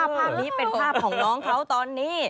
ภาพนี้เป็นภาพของน้องเขาตอนนี้